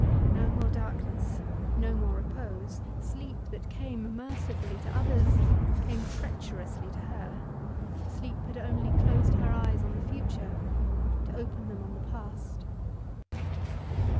No more darkness, no more repose. Sleep that came mercifully to others came treacherously to her. Sleep had only closed her eyes on the future, to open them on the past.